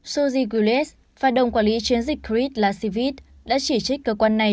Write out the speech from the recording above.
suzy gilles và đồng quản lý chiến dịch creed lascivit đã chỉ trích cơ quan này